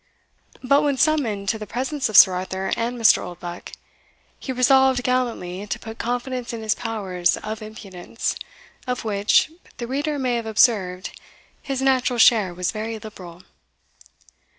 But when summoned to the presence of Sir Arthur and Mr. Oldbuck, he resolved gallantly to put confidence in his powers of impudence, of which, the reader may have observed, his natural share was very liberal.